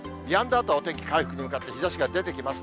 あとはお天気回復に向かって、日ざしが出てきます。